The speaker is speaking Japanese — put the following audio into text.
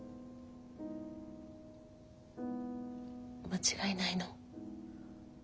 間違いないの？